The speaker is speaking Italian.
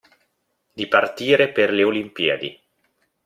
Di partire per le Olimpiadi.